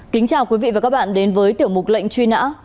kính chào quý vị và các bạn đến với tiểu mục lệnh truy nã